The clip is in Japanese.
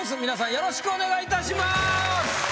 よろしくお願いします。